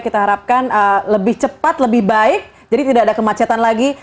kita harapkan lebih cepat lebih baik jadi tidak ada kemacetan lagi